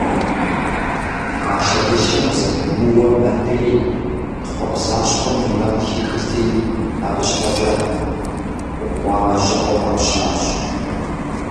А шэдылъэм зэпымыууэ мэ Ӏей, тхъуэбзащхъуэм и мэ къыхихырти, абы щхьэкӀэ «Гъуамэжьыкъуэ» фӀащащ.